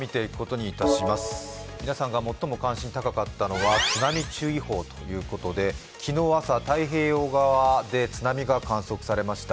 皆さんが最も関心が高かったのは津波注意報ということで昨日朝、太平洋側で津波が観測されました。